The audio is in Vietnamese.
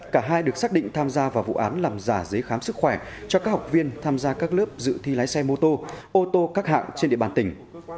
cả hai được xác định tham gia vào vụ án làm giả giấy khám sức khỏe cho các học viên tham gia các lớp dự thi lái xe mô tô ô tô các hạng trên địa bàn tỉnh